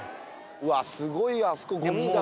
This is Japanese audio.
わあすごいあそこゴミだ。